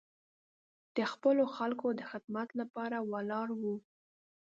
د خپلو خلکو د خدمت لپاره ولاړ و.